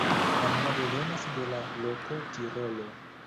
La nomo devenas de la loko Tirolo.